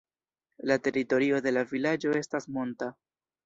La teritorio de la vilaĝo estas monta.